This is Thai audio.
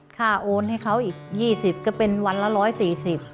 โอนให้เขาอีก๒๐ก็เป็นวันละ๑๔๐บาท